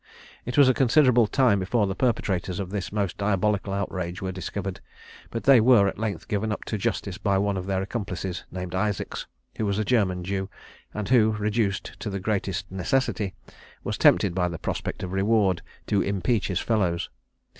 It was a considerable time before the perpetrators of this most diabolical outrage were discovered; but they were at length given up to justice by one of their accomplices, named Isaacs, who was a German Jew, and who, reduced to the greatest necessity, was tempted by the prospect of reward to impeach his fellows.